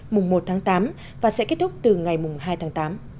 mùng một tháng tám và sẽ kết thúc từ ngày mùng hai tháng tám